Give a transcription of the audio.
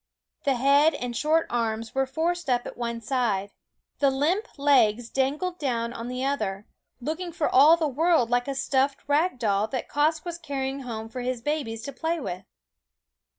The head and short arms were forced up at one side, the limp legs dangled down on the other, looking for all the world like a stuffed rag doll that Quoskh was carrying home for his babies to play with.